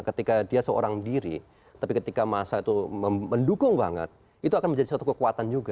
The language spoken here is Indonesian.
ketika dia seorang diri tapi ketika masa itu mendukung banget itu akan menjadi suatu kekuatan juga